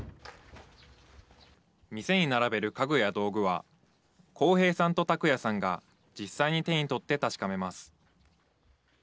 店に並べる家具や道具は康平さんと拓哉さんが実際に手に取って確かめます